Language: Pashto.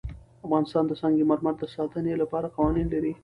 افغانستان د سنگ مرمر د ساتنې لپاره قوانین لري.